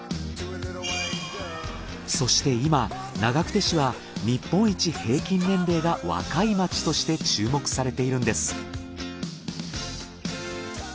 そして今長久手市は日本一平均年齢が若い街として注目されているんです。